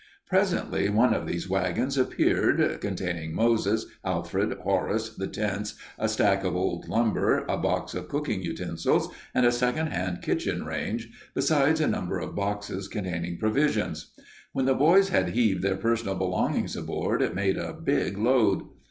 Presently one of these wagons appeared, containing Moses, Alfred, Horace, the tents, a stack of old lumber, a box of cooking utensils, and a second hand kitchen range, besides a number of boxes containing provisions. When the boys had heaved their personal belongings aboard it made a big load.